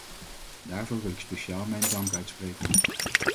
Daarvoor wil ik speciaal mijn dank uitspreken.